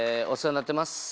お世話になってます。